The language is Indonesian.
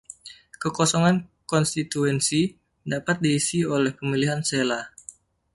Kekosongan konstituensi dapat diisi oleh pemilihan sela.